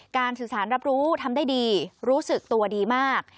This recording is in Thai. สื่อสารรับรู้ทำได้ดีรู้สึกตัวดีมาก